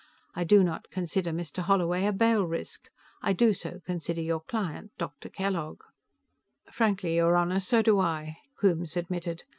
I do not consider Mr. Holloway a bail risk. I do so consider your client, Dr. Kellogg." "Frankly, your Honor, so do I," Coombes admitted.